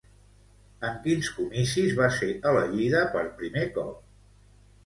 En quins comicis va ser elegida per primer cop?